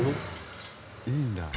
いいんだ。